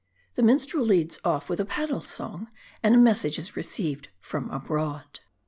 THE MINSTREL LEADS OFF WITH A PADDLE SONG J AND A MES SAGE IS RECEIVED FROM ABROAD.